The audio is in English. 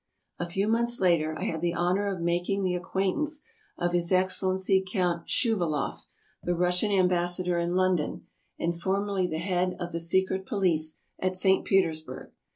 A few months later I had the honor of making the ac quaintance of his Excellency Count Schouvaloff, the Russian ambassador in London and formerly the head of the secret ASIA 293 police at St. Petersburg.